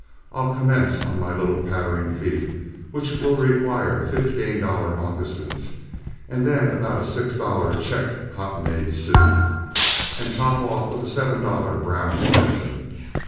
I'll commence on my little pattering feet, which will require fifteen dollar moccasins, and then about a six dollar checked cottonade suit, and top off with a seven dollar brown Stetson.